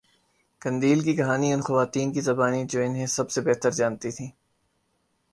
قندیل کی کہانی ان خواتین کی زبانی جو انہیں سب سےبہتر جانتی تھیں